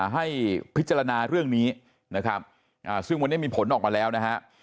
ให้พิจารณาเรื่องนี้นะครับซึ่งวันนี้มีผลออกมาแล้วนะฮะ